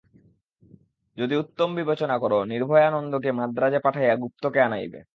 যদি উত্তম বিবেচনা কর, নির্ভয়ানন্দকে মান্দ্রাজে পাঠাইয়া গুপ্তকে আনাইবে।